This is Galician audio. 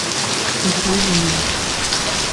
Empezamos en Vigo.